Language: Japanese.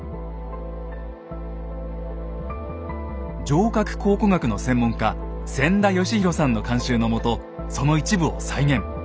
城郭考古学の専門家千田嘉博さんの監修のもとその一部を再現。